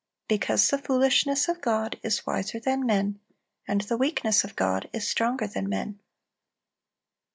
"Because the foolishness of God is wiser than men; and the weakness of God is stronger than men."